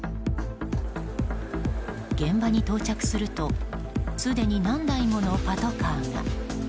現場に到着するとすでに何台ものパトカーが。